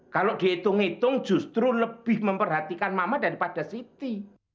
kalau dihitung hitung justru lebih memperhatikan mama daripada siti